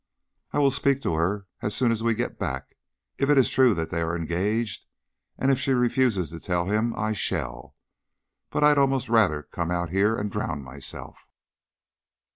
"I will speak to her as soon as we go back. If it is true that they are engaged, and if she refuses to tell him, I shall. But I'd almost rather come out here and drown myself."